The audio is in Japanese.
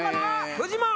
フジモン！